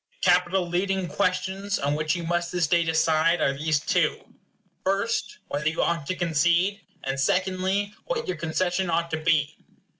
The capital leading questions on which you must this day decide are these two: First, whether you ought to concede; and secondly, what your concession ought to be.